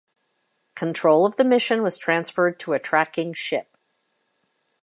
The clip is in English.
Control of the mission was transferred to a tracking ship.